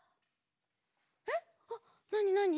えっ？あっなになに？